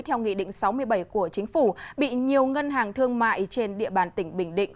theo nghị định sáu mươi bảy của chính phủ bị nhiều ngân hàng thương mại trên địa bàn tỉnh bình định